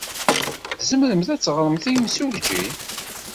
Tzemremt ad d-teɣremt i yemsujji?